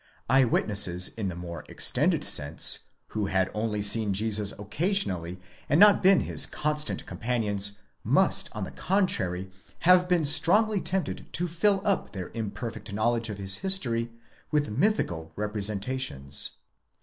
Eye witnesses in the more extended sense, who had only seen Jesus occasionally and not been his constant companions, must, on the contrary, have beer strongly tempted to fill up their imperfect knowledge of his history with mythical representations.